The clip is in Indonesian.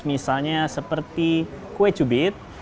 misalnya seperti kue cubit